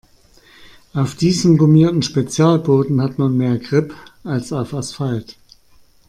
Auf diesem gummierten Spezialboden hat man mehr Grip als auf Asphalt.